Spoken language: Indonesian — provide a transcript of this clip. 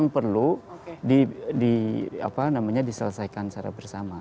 perlu diselesaikan secara bersama